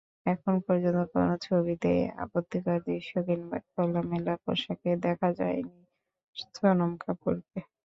এখন পর্যন্ত কোনো ছবিতেই আপত্তিকর দৃশ্য কিংবা খোলামেলা পোশাকে দেখা যায়নি সোনম কাপুরকে।